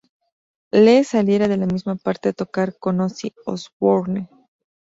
Lee saliera de la misma para tocar con Ozzy Osbourne.